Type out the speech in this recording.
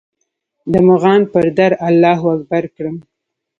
د مغان پر در الله اکبر کړم